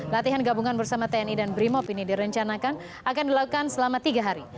latihan gabungan bersama tni dan brimop ini direncanakan akan dilakukan selama tiga hari